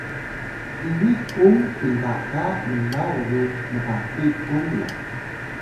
ini kung pinbaga mnaw ru mtakuy kung la